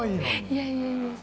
いやいやいや。